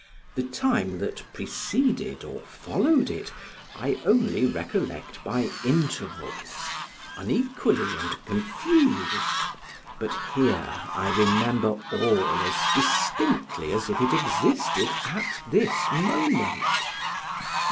The time that preceded or followed it, I only recollect by intervals, unequally and confused; but here I remember all as distinctly as if it existed at this moment.